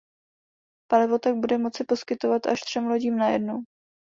Palivo tak bude moci poskytovat až třem lodím najednou.